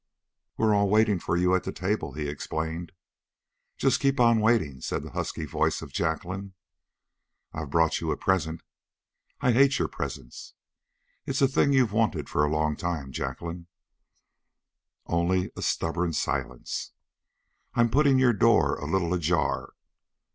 "We're all waiting for you at the table," he explained. "Just keep on waiting," said the husky voice of Jacqueline. "I've brought you a present." "I hate your presents!" "It's a thing you've wanted for a long time, Jacqueline." Only a stubborn silence. "I'm putting your door a little ajar."